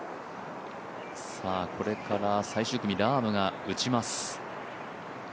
これから最終組ラームが打ちます。